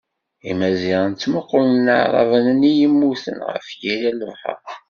Imaziɣen ttmuqulen Aɛraben-nni yemmuten, ɣef yiri n lebḥeṛ.